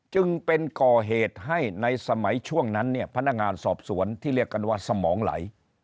จึงเป็นก่อเหตุให้ในสมัยช่วงนั้นเนี่ยพนักงานสอบสวนที่เรียกกันว่าสมองไหล